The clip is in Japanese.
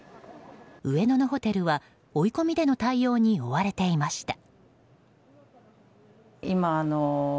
上野のホテルは追い込みでの対応に追われていました。